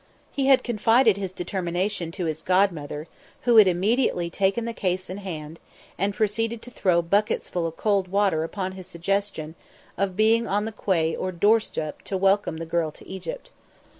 He had confided his determination to his godmother, who had immediately taken the case in hand, and proceeded to throw bucketsful of cold water upon his suggestion of being on the quay or doorstep to welcome the girl to Egypt.